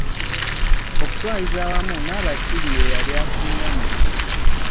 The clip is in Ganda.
Okutwaliza awamu Nabakiibi he yali asinga mu byonna.